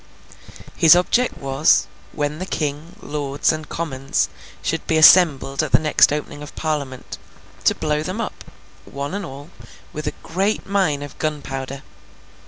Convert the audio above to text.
His object was, when the King, lords, and commons, should be assembled at the next opening of Parliament, to blow them up, one and all, with a great mine of gunpowder.